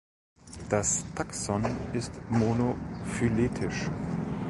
Das Taxon ist monophyletisch.